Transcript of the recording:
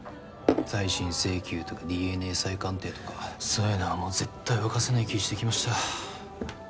再審請求とかＤＮＡ再鑑定とかそういうのはもう絶対動かせない気してきました。